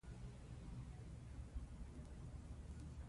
د ادارو خپلواکي مهم ارزښت دی